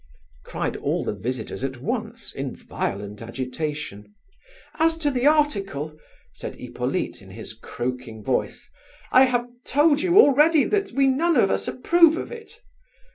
cried all the visitors at once, in violent agitation. "As to the article," said Hippolyte in his croaking voice, "I have told you already that we none of us approve of it!